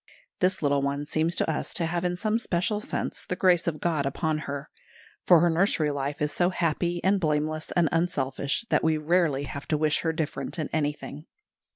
This little one seems to us to have in some special sense the grace of God upon her; for her nursery life is so happy and blameless and unselfish, that we rarely have to wish her different in anything.